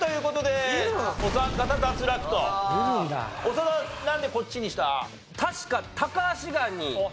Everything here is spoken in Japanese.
長田なんでこっちにした？